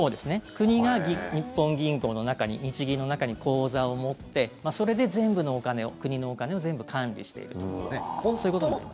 国が日本銀行の中に日銀の中に口座を持ってそれで全部のお金を国のお金を全部管理しているとそういうことになります。